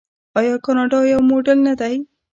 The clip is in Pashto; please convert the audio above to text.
آیا کاناډا یو موډل نه دی؟